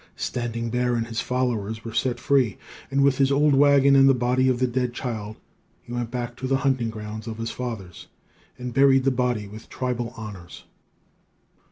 Standing Bear and his followers were set free; and, with his old wagon and the body of the dead child, he went back to the hunting grounds of his fathers, and buried the body with tribal honors.